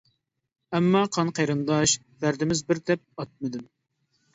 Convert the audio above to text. ئەمما قان-قېرىنداش، دەردىمىز بىر دەپ ئاتمىدىم.